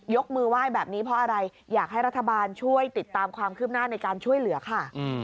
มือไหว้แบบนี้เพราะอะไรอยากให้รัฐบาลช่วยติดตามความคืบหน้าในการช่วยเหลือค่ะ